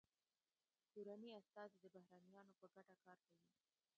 کورني استازي د بهرنیانو په ګټه کار کوي